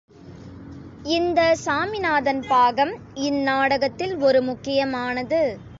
இந்த சாமிநாதன் பாகம் இந்நாடகத்தில் ஒரு முக்கியமானது.